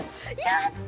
やった！